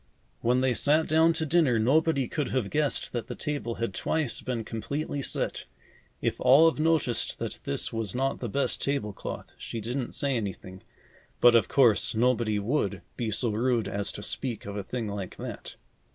When they sat down to dinner, nobody could have guessed that the table had twice been completely set. If Olive noticed that this was not the best table cloth, she didn't say anything, but of course, nobody would be so rude as to speak of a thing like that.